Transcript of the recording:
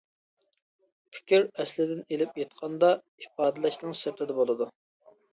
پىكىر ئەسلىدىن ئېلىپ ئېيتقاندا، ئىپادىلەشنىڭ سىرتىدا بولىدۇ.